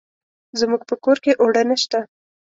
زموږ په کور کې اوړه نشته.